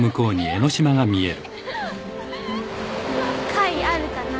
貝あるかな。